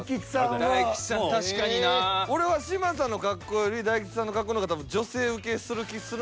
確かになぁ。俺は嶋佐の格好より大吉さんの格好の方が多分女性ウケする気するんですよね。